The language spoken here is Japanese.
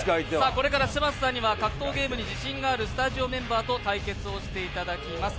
これから嶋佐さんには格闘ゲームに自信があるスタジオメンバーと対決をしていただきます。